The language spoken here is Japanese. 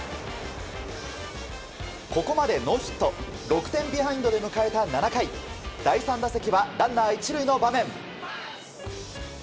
ここまでノーヒット６点ビハインドで迎えた７回第３打席はランナー１塁の場面。